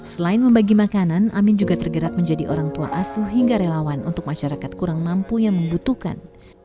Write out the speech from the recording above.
selain membagi makanan amin juga tergerak menjadi orang tua asuh hingga relawan untuk masyarakat kurang mampu yang membutuhkan